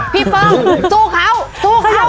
พี่เว้งสู้เขา